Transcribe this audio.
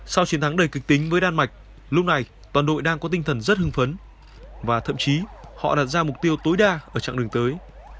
sau chiến thắng đầy kịch tính với đan mạch lúc này toàn đội đang có tinh thần rất hưng phấn và thậm chí họ đặt ra mục tiêu tối đa ở trạng đường tới